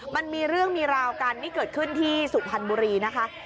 มันมีเรื่องมีราวกันนี่เกิดขึ้นที่สุพรรณบุรีนะคะ